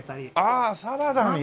ああサラダにね。